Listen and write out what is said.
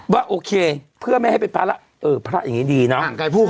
ว่าโอเคเพื่อไม่ให้เป็นพระอย่างนี้ดีเนาะ